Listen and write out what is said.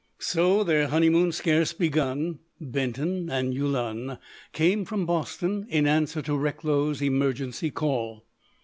So,—their honeymoon scarce begun, Benton and Yulun came from Boston in answer to Recklow's emergency call.